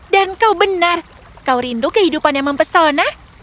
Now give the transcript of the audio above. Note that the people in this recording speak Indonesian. dan kau benar kau rindu kehidupan yang mempesona